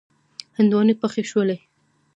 هندواڼی پخې شولې.